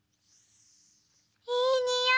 いいにおい！